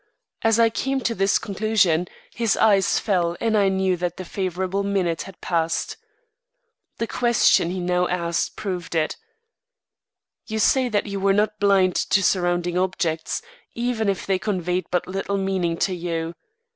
As I came to this conclusion, his eyes fell and I knew that the favorable minute had passed. The question he now asked proved it. "You say that you were not blind to surrounding objects, even if they conveyed but little meaning to you.